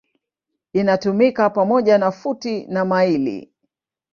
Inatumika pamoja na futi na maili.